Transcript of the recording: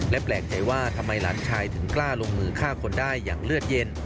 และแปลกใจว่าทำไมหลานชายถึงกล้าลงมือฆ่าคนได้อย่างเลือดเย็น